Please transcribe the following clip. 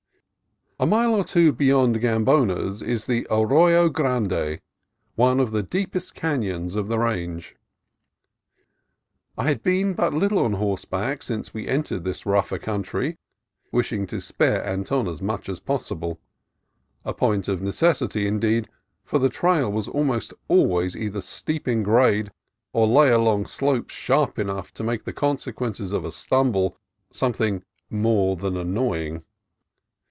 A mile or two beyond Gamboa's is the Arroyo Grande, one of the deepest canons of the range. I had been but little on horseback since we entered this rougher country, wishing to spare Anton as much as possible: a point of necessity, indeed, for the trail was almost always either steep in grade or lay along slopes sharp enough to make the conse quences of a stumble something more than annoying.